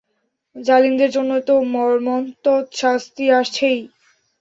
জালিমদের জন্য তো মর্মস্তুদ শাস্তি আছেই।